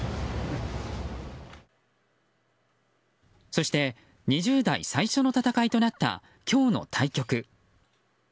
そして２０代最初の戦いとなった今日の対局。